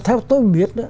theo tôi biết